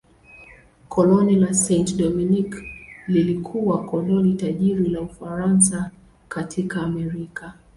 Koloni la Saint-Domingue lilikuwa koloni tajiri la Ufaransa katika Amerika.